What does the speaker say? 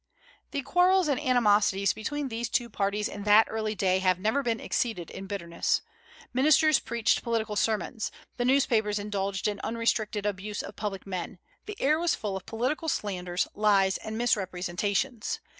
The quarrels and animosities between these two parties in that early day have never been exceeded in bitterness. Ministers preached political sermons; the newspapers indulged in unrestricted abuse of public men. The air was full of political slanders, lies, and misrepresentations.